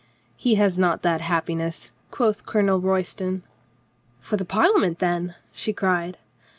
"He has not that happiness," quoth Colonel Roy ston. "For the Parliament, then?" she cried.